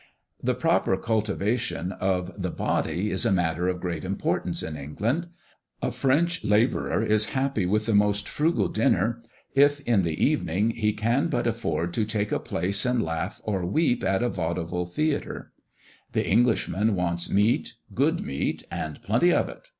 The proper cultivation of the body is a matter of great importance in England. A French labourer is happy with the most frugal dinner, if, in the evening, he can but afford to take a place and laugh or weep at a vaudeville theatre. The Englishman wants meat, good meat, and plenty of it.